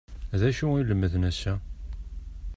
D acu i lemden ass-a?